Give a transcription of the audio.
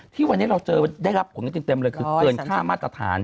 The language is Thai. ที่วันนี้เราเจอได้รับผลกันเต็มเลยคือเกินค่ามาตรฐาน